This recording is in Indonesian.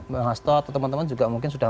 bang hasto atau teman teman juga mungkin sudah